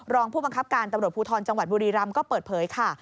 รองผู้บังคับการตำรวจภูทรจังหวัดบุรีรำก็เปิดเผยค่ะ